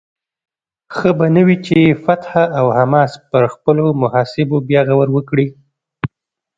ښه به نه وي چې فتح او حماس پر خپلو محاسبو بیا غور وکړي؟